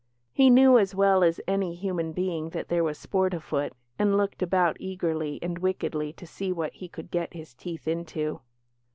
He knew as well as any human being that there was sport afoot, and looked about eagerly and wickedly to see what he could get his teeth into.